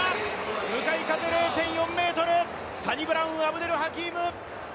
向かい風０．４メートル、サニブラウン・アブデル・ハキーム！